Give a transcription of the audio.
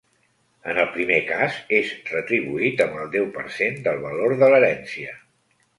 En el primer cas, és retribuït amb el deu per cent del valor de l'herència.